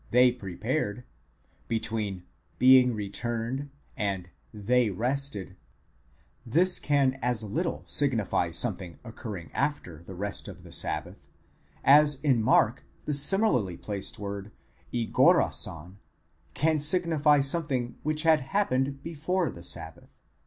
703 ἑποστρέψασαι (being returned) and ἡσύχασαν (they rested), this can as little signify something occurring after the rest of the sabbath, as in Mark the similarly placed word ἠγόρασαν can signify something which had happened before the sabbath.